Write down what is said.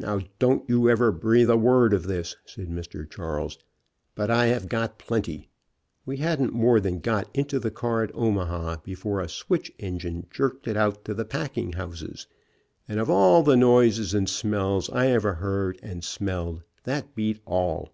"Xow, don't you ever breathe a word of this," said Mr. Charles, "but I have got plenty. We hadn't more INTERRUPTED WEDDING TRIP 57 than got into the car at Omaha before a switch en gine jerked it out to the packing houses, and of all the noises and smells I ever heard and smelled, that beat all.